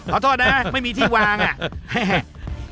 ขอโทษนะไม่มีที่วางอ่ะ